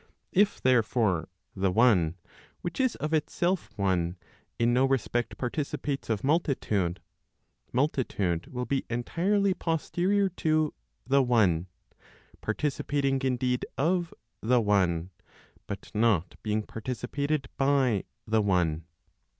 If, therefore, the one which is of itself one, in no respect participates of multitude, multitude will be entirely posterior to the one; participating indeed of the one, but not being participated by the one.